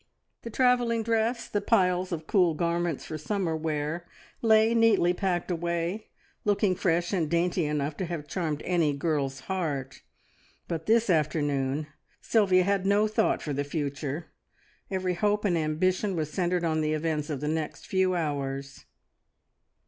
The travelling dress, the piles of cool garments for summer wear lay neatly packed away, looking fresh and dainty enough to have charmed any girl's heart, but this afternoon Sylvia had no thought for the future; every hope and ambition was centred on the events of the next few hours.